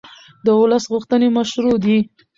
د ولس غوښتنې مشروع دي